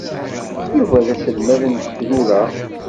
Yuba d aselmad n tekrura.